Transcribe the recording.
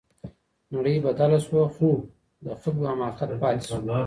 نړۍ بدله سوه خو د خلګو حماقت پاتې سو.